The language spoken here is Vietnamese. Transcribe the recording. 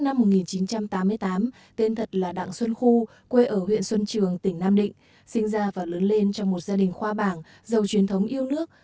năm một nghìn chín trăm tám mươi tám tên thật là đặng xuân khu quê ở huyện xuân trường tỉnh nam định sinh ra và lớn lên trong một gia đình khoa bảng giàu truyền thống yêu nước